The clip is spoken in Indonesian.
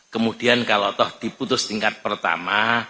kemudian kalau toh diputus tingkat pertama